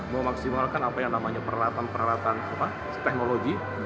memaksimalkan apa yang namanya peralatan peralatan teknologi